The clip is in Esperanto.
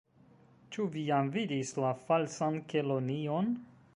"Ĉu vi jam vidis la Falsan Kelonion?"